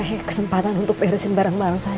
saya kesempatan untuk beresin barang barang saya ya